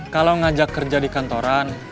kalau ngajak kerja di kantoran